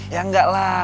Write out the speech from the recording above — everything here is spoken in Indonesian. ya enggak lah